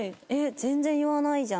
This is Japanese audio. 全然言わないじゃん。